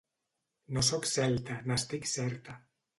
No sóc celta, n'estic certa.